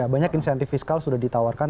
banyak insentif fiskal sudah ditawarkan